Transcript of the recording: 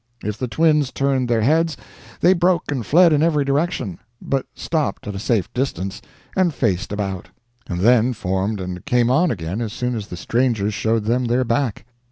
If the twins turned their heads, they broke and fled in every direction, but stopped at a safe distance and faced about; and then formed and came on again as soon as the strangers showed them their back.